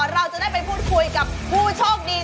เราจะได้ไปพูดคุยกับผู้โชคดี